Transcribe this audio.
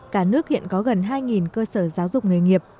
cả nước hiện có gần hai cơ sở giáo dục nghề nghiệp